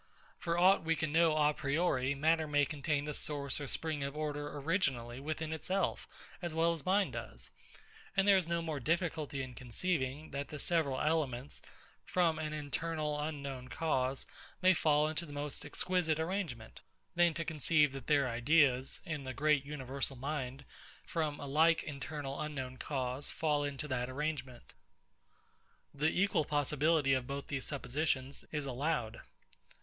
For aught we can know a priori, matter may contain the source or spring of order originally within itself, as well as mind does; and there is no more difficulty in conceiving, that the several elements, from an internal unknown cause, may fall into the most exquisite arrangement, than to conceive that their ideas, in the great universal mind, from a like internal unknown cause, fall into that arrangement. The equal possibility of both these suppositions is allowed.